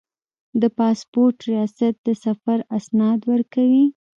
د پاسپورت ریاست د سفر اسناد ورکوي